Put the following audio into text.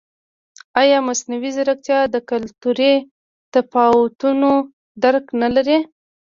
ایا مصنوعي ځیرکتیا د کلتوري تفاوتونو درک نه لري؟